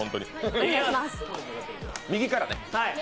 右からね。